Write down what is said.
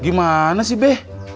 gimana sih be